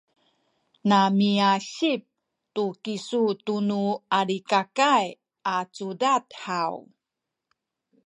namiasip tu kisu tunu Alikakay a cudad haw?